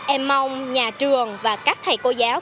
em mong nhà trường và các thầy cô giáo